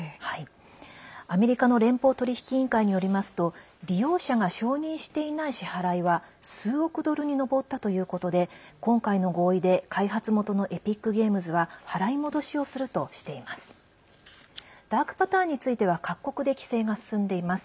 アメリカの連邦取引委員会によりますと利用者が承認していない支払いは数億ドルに上ったということで今回の合意で開発元のエピックゲームズは払い戻しをするとしています。